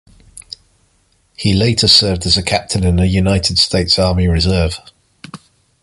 He later served as a Captain in the United States Army Reserve.